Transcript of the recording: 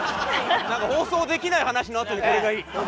なんか放送できない話のあとにこれがいい。